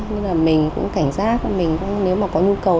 nên là mình cũng cảnh giác nếu mà có nhu cầu